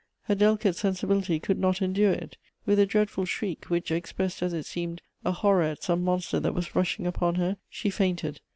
Her delicate sensibility could not endure it. With a dreadful shriek, which expressed, as it seemed, a horror at some monster that was rushing upon her, she fainted.